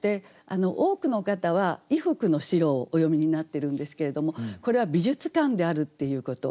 多くの方は衣服の白をお詠みになってるんですけれどもこれは美術館であるっていうこと。